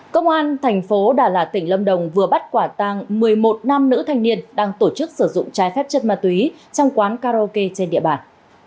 công an thành phố đà lạt tỉnh lâm đồng vừa bắt quả tang một mươi một nam nữ thanh niên đang tổ chức sử dụng trái phép chất ma túy trong quán karaoke trên địa bàn